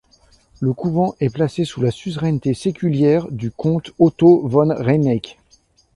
Le couvent est placé sous la suzeraineté séculière du comte Otto von Rheineck.